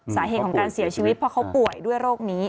สาเหตุของการเสียชีวิตเพราะเขาป่วยด้วยโรคนี้